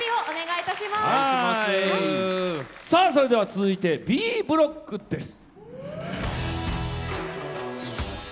それでは続いてＢブロックです！